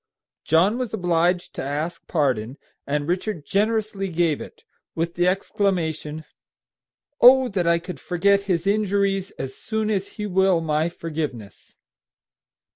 John was obliged to ask pardon, and Richard generously gave it, with the exclamation, "Oh, that I could forget his injuries as soon as he will my forgiveness!"